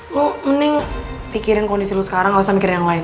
lu mending pikirin kondisi lu sekarang gak usah mikirin yang lain